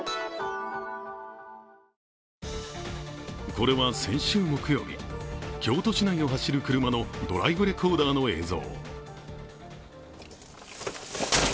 これは先週木曜日京都市内を走る車のドライブレコーダーの映像